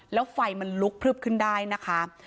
แล้วไฟมันลุกพลึบขึ้นได้นะคะ